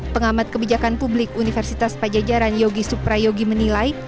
pengamat kebijakan publik universitas pajajaran yogi suprayogi menilai